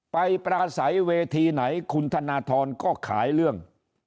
ปราศัยเวทีไหนคุณธนทรก็ขายเรื่อง